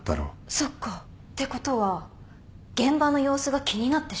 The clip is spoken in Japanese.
そっか。ってことは現場の様子が気になってしょうがない。